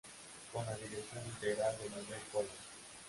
Con la dirección integral de Miguel Colom.